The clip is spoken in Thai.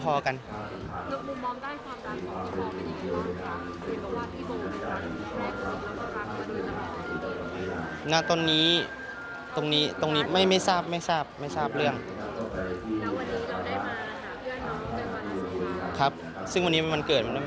สิ้นวันนี้ไม่มันเกิด